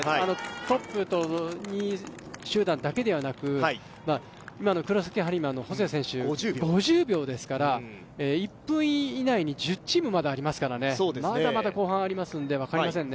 トップと２位集団だけではなく、今の黒崎播磨の細谷選手、５０秒ですから１分以内に１０チーム、まだありますからまだまだ後半ありますので、分かりませんね。